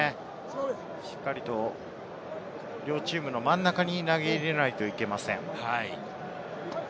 しっかりと両チームの真ん中に投げ入れないといけない。